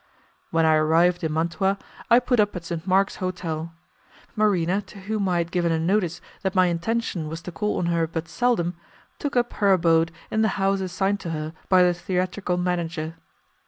When I arrived in Mantua, I put up at St. Mark's hotel. Marina, to whom I had given a notice that my intention was to call on her but seldom, took up her abode in the house assigned to her by the theatrical manager.